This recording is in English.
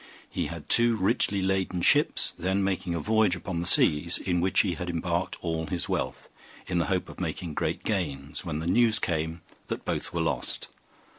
He had two richly laden ships then making a voyage upon the seas, in which he had embarked all his wealth, in the hope of making great gains, when the news came that both were lost.